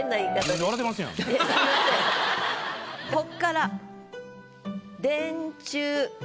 こっから「電柱」。